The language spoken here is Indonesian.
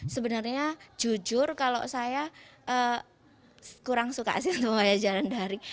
sebenarnya jujur kalau saya kurang suka sih untuk pembelajaran daring